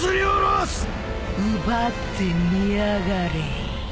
奪ってみやがれ。